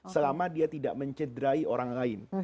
selama dia tidak mencederai orang lain